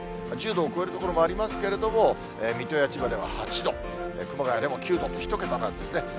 １０度を超える所もありますけれども、水戸や千葉では８度、熊谷でも９度、１桁なんですね。